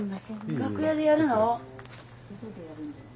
楽屋でやるの？